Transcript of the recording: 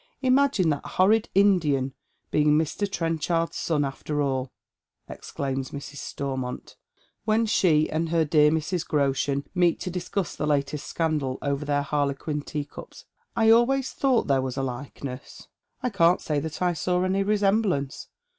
" Imagine that horrid Indian being Mr. Trcnchard's son after all !" exclaims Mrs. Stormont, when she and her dear Mrs. Groshen meet to discuss the latest scandal over their harlequin teacups. " I always thought there was a likeness." " I can't say that I saw any resemblance.